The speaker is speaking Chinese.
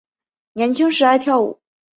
年轻时爱跳舞。